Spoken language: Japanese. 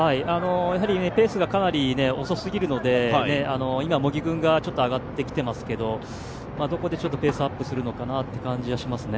ペースがかなり遅すぎるので今、茂木君がちょっと上がってきていますけど、どこでペースアップするのかなという感じがしますね。